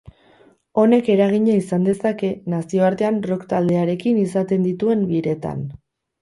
Honek eragina izan dezake nazioartean rock taldearekin izaten dituen biretan.